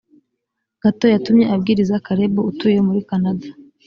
gato yatumye abwiriza caleb utuye muri kanada